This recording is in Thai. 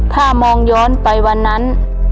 ถ้ามองย้อนไปวันนั้น